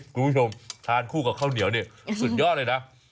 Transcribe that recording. คุณผู้ชมทานคู่กับข้าวเหนียวเนี่ยสุดยอดเลยนะ